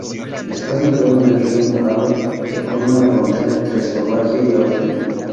Está situado en el río Morava, que forma la frontera entre Eslovaquia y Austria.